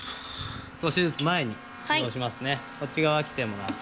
少しずつ前に移動しますね。